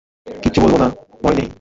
কিচ্ছু বলব না, ভয় নেই।